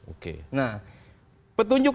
oke nah petunjuk